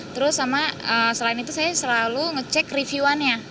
terus sama selain itu saya selalu ngecek review annya